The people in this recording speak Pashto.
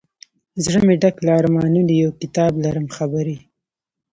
زړه مي ډک له ارمانونو یو کتاب لرم خبري